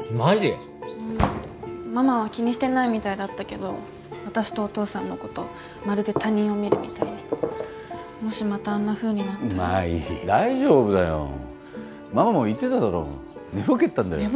うんママは気にしてないみたいだったけど私とお父さんのことまるで他人を見るみたいにもしまたあんなふうになったら麻衣大丈夫だよママも言ってただろ寝ぼけてたんだよ